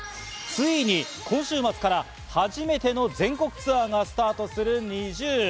ついに今週末から初めての全国ツアーがスタートするＮｉｚｉＵ。